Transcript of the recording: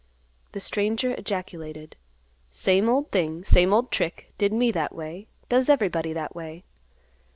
The stranger ejaculated, "Same old thing; same old trick. Did me that way; does everybody that way.